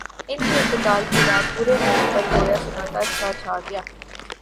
ان کے انتقال کی رات پورے ملک پر گویا سناٹا سا چھا گیا۔